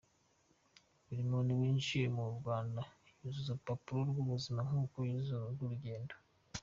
Buri muntu winjiye mu Rwanda yuzuza urupapuro rw’ubuzima nk’uko yuzuza urw’urugendo.